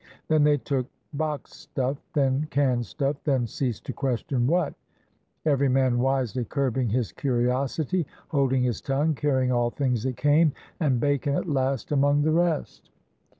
Then they took boxed stuff, then canned stuff, then ceased to question what, — every man wisely curbing his curiosity, holding his tongue, carrying all things that came, and bacon at last among the rest!